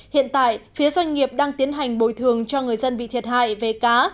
hiện tại phía doanh nghiệp đang tiến hành bồi thường cho người dân bị thiệt hại về cá